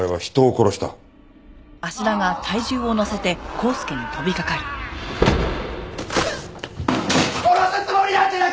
殺すつもりなんてなかった！